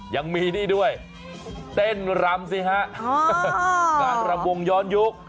ยังมีนี่ด้วยเต้นรำสิฮะการรำวงย้อนยุค